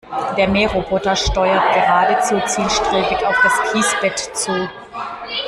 Der Mähroboter steuert geradezu zielstrebig auf das Kiesbett zu.